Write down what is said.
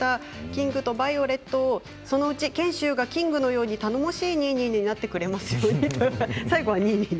キングとバイオレットそのうち賢秀が賢秀のように頼もしいニーニーになってくれますよ。